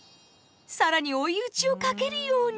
更に追い打ちをかけるように。